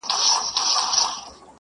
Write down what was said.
ما یې له ماتم سره لیدلي اخترونه دي!!